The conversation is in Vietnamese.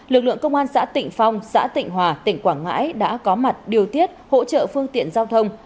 lực lượng công an xã tịnh phong xã tịnh hòa tỉnh quảng ngãi đã có mặt điều tiết hỗ trợ phương tiện giao thông